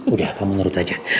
udah kamu nurut aja